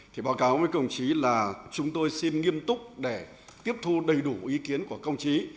thì báo cáo với công chí là chúng tôi xin nghiêm túc để tiếp thu đầy đủ ý kiến của công chí